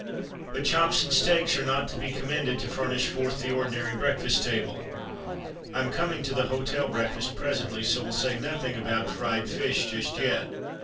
But chops and steaks are not to be commended to furnish forth the ordinary breakfast table. I am coming to the hotel breakfast presently, so will say nothing about fried fish just yet.